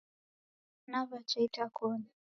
Nawacha itakoni